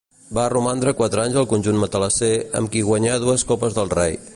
Va romandre quatre anys al conjunt matalasser, amb qui guanyà dues Copes del Rei.